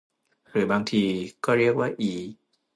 หรือบางทีก็เรียกว่าอี